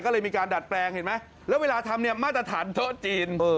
ก็เลยมีการดัดแปลงเห็นไหมแล้วเวลาทำเนี่ยมาตรฐานโต๊ะจีน